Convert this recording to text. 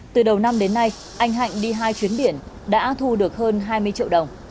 từ đầu năm đến nay anh hạnh đi hai chuyến biển đã thu được hơn hai mươi triệu đồng